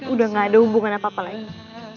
udah gak ada hubungan apa apa lagi